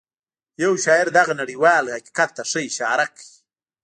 يو شاعر دغه نړيوال حقيقت ته ښه اشاره کوي.